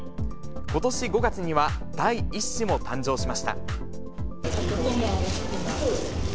ことし５月には、第１子も誕生しました。